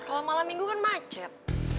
kalau malam minggu kan macet